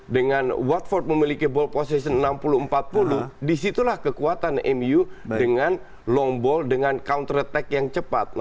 dengan watfort memiliki ball position enam puluh empat puluh disitulah kekuatan mu dengan long ball dengan counter attack yang cepat